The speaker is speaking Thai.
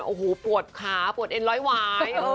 โอ้โหปวดขาปวดเอ็นร้อยวาย